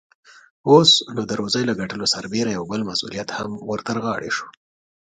اوس، نو د روزۍ له ګټلو سربېره يو بل مسئوليت هم ور ترغاړې شو.